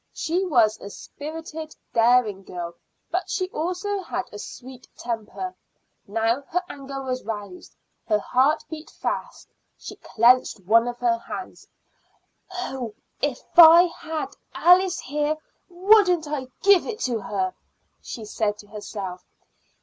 She was a spirited, daring girl, but she also had a sweet temper. Now her anger was roused. Her heart beat fast; she clenched one of her hands. "Oh, if I had Alice here, wouldn't I give it to her?" she said to herself.